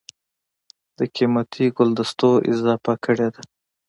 دَ قېمتي ګلدستو اضافه کړې ده